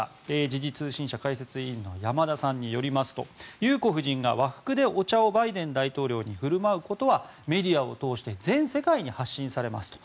時事通信社解説委員の山田さんによりますと裕子夫人が和服でお茶をバイデン大統領に振る舞うことはメディアを通して全世界に発信されますと。